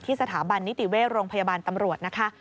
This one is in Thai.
สถาบันนิติเวชโรงพยาบาลตำรวจนะคะ